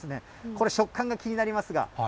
これ食感が気になりますが。